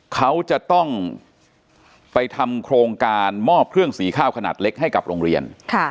เขาจะต้องไปทำโครงการมอบเครื่องสีข้าวขนาดเล็กให้กับโรงเรียน